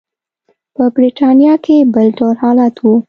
په برېټانیا کې بل ډول حالت و.